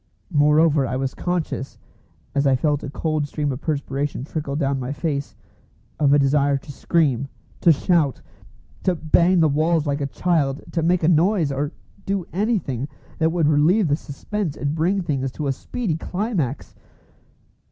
Moreover, I was conscious, as I felt a cold stream of perspiration trickle down my face, of a desire to scream, to shout, to bang the walls like a child, to make a noise, or do anything that would relieve the suspense and bring things to a speedy climax.